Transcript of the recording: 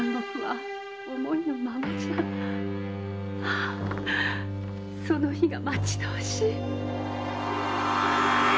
ああその日が待ちどおしい。